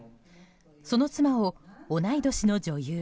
その妻を同い年の女優